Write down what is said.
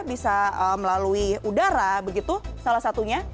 bisa melalui udara begitu salah satunya